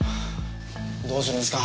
どうするんですか？